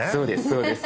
そうです